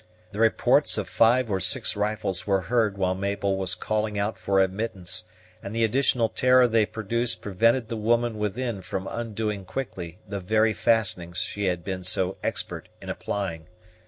The reports of five or six rifles were heard while Mabel was calling out for admittance; and the additional terror they produced prevented the woman within from undoing quickly the very fastenings she had been so expert in applying.